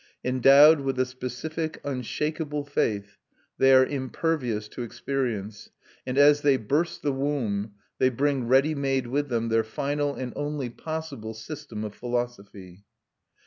Endowed with a specific, unshakable faith, they are impervious to experience: and as they burst the womb they bring ready made with them their final and only possible system of philosophy.